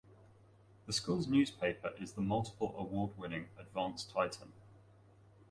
The school's newspaper is the multiple award winning "Advance-Titan".